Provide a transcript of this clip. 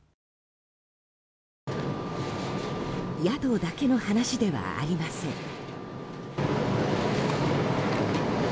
宿だけの話ではありません。